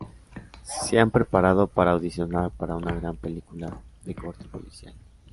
Se han preparado para audicionar para una gran película de corte policial.